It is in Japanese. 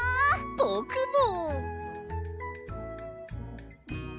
ぼくも！